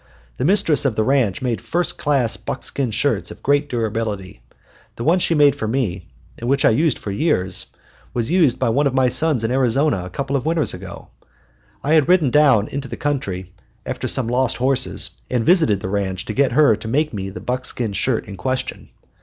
The mistress of the ranch made first class buckskin shirts of great durability. The one she made for me, and which I used for years, was used by one of my sons in Arizona a couple of winters ago. I had ridden down into the country after some lost horses, and visited the ranch to get her to make me the buckskin shirt in question.